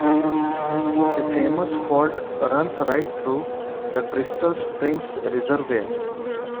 The famous fault runs right through the Crystal Springs Reservoir.